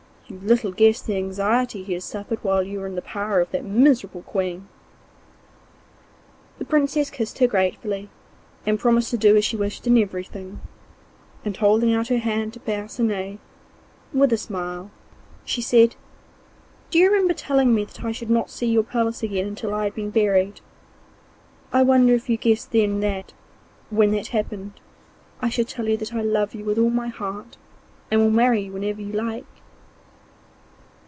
You little guess the anxiety he has suffered while you were in the power of that miserable Queen.' The Princess kissed her gratefully, and promised to do as she wished in everything, and holding out her hand to Percinet, with a smile, she said: 'Do you remember telling me that I should not see your palace again until I had been buried? I wonder if you guessed then that, when that happened, I should tell you that I love you with all my heart, and will marry you whenever you like?